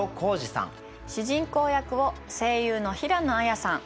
主人公役を声優の平野綾さん。